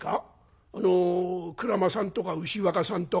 あの鞍馬さんとか牛若さんとか」。